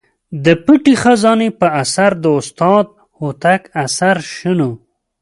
د پټې خزانې پر اثر د استاد هوتک اثر شنو.